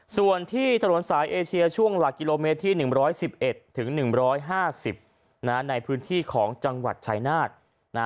ส่วนที่ถนนสายเอเชียช่วงหลักกิโลเมตรที่๑๑๑๑๕๐ในพื้นที่ของจังหวัดชายนาฏ